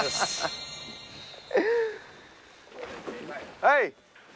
はい！